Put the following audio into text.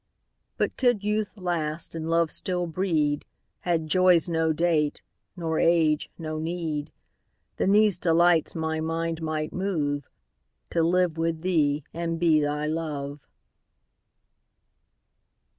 But could youth last, and love still breed, Had joys no date, nor age no need, Then these delights my mind might moveTo live with thee and be thy Love.